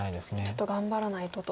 ちょっと頑張らないとと。